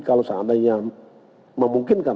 kalau seandainya memungkinkan